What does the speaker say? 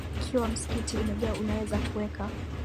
mlango Na ikiwa msikiti umejaa unaweza kuweka